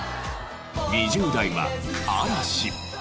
２０代は嵐。